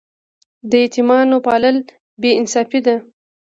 د یتیمانو نه پالل بې انصافي ده.